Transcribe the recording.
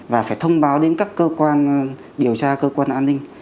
và phải thông báo đến các cơ quan điều tra cơ quan an ninh